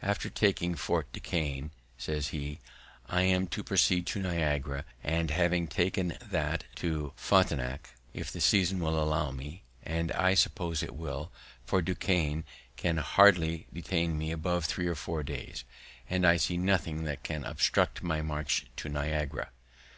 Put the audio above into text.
"After taking Fort Duquesne," says he, "I am to proceed to Niagara; and, having taken that, to Frontenac, if the season will allow time; and I suppose it will, for Duquesne can hardly detain me above three or four days; and then I see nothing that can obstruct my march to Niagara."